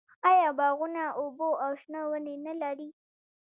آیا باغونه اوبه او شنه ونې نلري؟